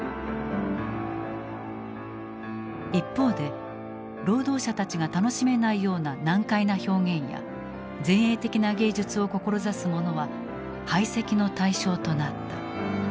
一方で労働者たちが楽しめないような難解な表現や前衛的な芸術を志す者は排斥の対象となった。